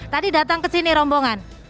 tadi datang kesini rombongan